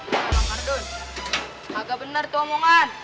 bang hardun agak bener itu omongan